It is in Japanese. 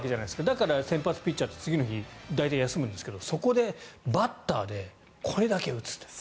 だから先発ピッチャーって大体次の日休むんですがそこでバッターでこれだけ打つ。